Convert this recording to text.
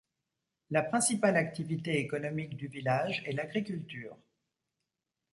La principale activité économique du village est l'agriculture.